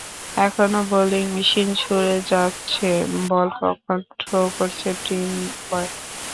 কখনো bowling machine ছুড়ে যাচ্ছে বল, কখনো থ্রো করছে টিম বয়।